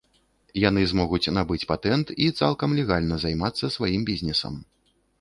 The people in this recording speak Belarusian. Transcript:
Яны змогуць набыць патэнт і цалкам легальна займацца сваім бізнесам.